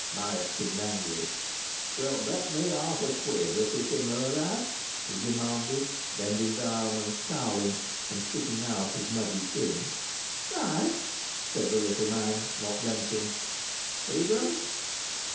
Myatt seemed angry. "Wilt bet me half a quid as it inna' a lad?" he demanded, bending down and scowling and sticking out his muddy chin. "Ay!" said the little man, not blenching. "Evens?"